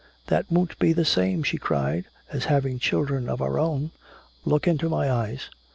"That won't be the same," she cried, "as having children of our own " "Look into my eyes."